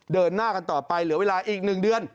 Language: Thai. เดินหน้ากันต่อไปเหลือเวลาอีก๑เดือน